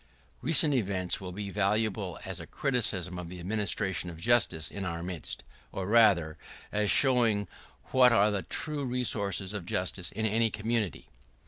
[¶19] Recent events will be valuable as a criticism on the administration of justice in our midst, or, rather, as showing what are the true resources of justice in any community.